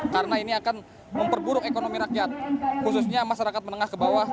karena ini akan memperburuk ekonomi rakyat khususnya masyarakat menengah ke bawah